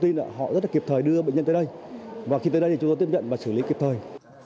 thì chúng tôi tiếp nhận và xử lý kịp thời